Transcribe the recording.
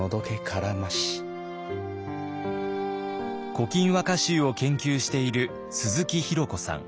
「古今和歌集」を研究している鈴木宏子さん。